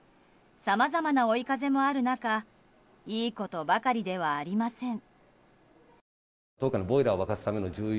さまざまな追い風もある中いいことばかりではありません。